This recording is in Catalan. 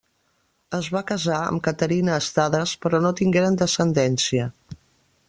Es va casar amb Caterina Estades, però no tingueren descendència.